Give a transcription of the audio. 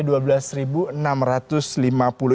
nah ini juga menarik